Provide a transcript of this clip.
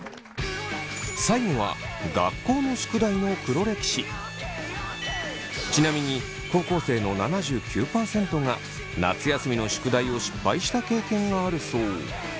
最後はちなみに高校生の７９％が夏休みの宿題を失敗した経験があるそう。